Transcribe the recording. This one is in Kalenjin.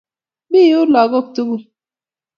Mi yun lagok tugul .